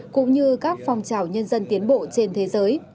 cũng như các phong trào nhân dân tiến bộ trên thế giới